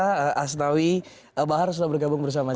pak asnawi mbah arsula bergabung bersama saya